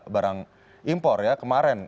barang impor kemarin